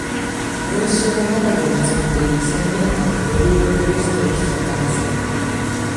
群衆のなかで見つめているセンめいた緑色のベストを着た男性